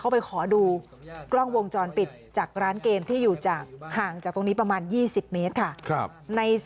ไปขอดูกล้องวงจรปิดจากร้านเกมที่อยู่ห่างจากตรงนี้ประมาณ๒๐เมตรค่ะ